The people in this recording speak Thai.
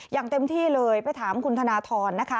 อย่างเต็มที่เลยไปถามคุณธนทรนะคะ